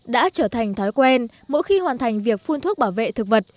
đã trở thành thói quen mỗi khi hoàn thành việc phun thuốc bảo vệ thực vật